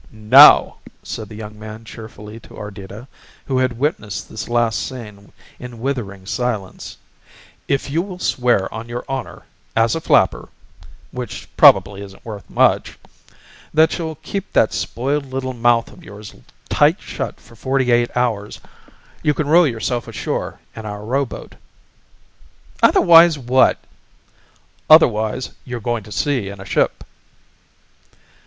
"Now," said the young man cheerfully to Ardita, who had witnessed this last scene in withering silence, "if you will swear on your honor as a flapper which probably isn't worth much that you'll keep that spoiled little mouth of yours tight shut for forty eight hours, you can row yourself ashore in our rowboat." "Otherwise what?" "Otherwise you're going to sea in a ship."